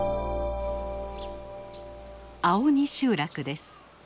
青鬼集落です。